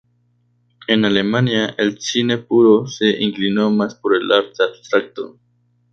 En Alemania el cine puro se inclinó más por el arte abstracto.